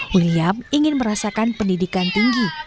mulyam ingin merasakan pendidikan tinggi